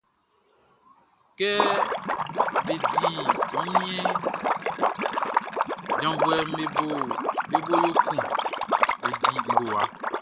Kɛ bé dí wunmiɛnʼn, janvuɛʼm be bo yo kun be di ngowa.